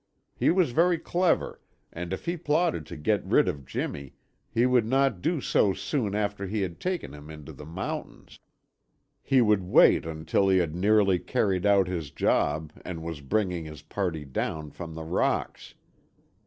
He was very clever and if he plotted to get rid of Jimmy, he would not do so soon after he had taken him into the mountains. He would wait until he had nearly carried out his job and was bringing his party down from the rocks.